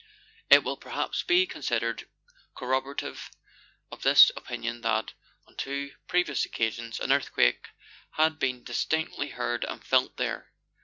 It will perhaps be con sidered corroborative of this opinion that, on two previous occasions, an earthquake had been distinctly heard and felt there.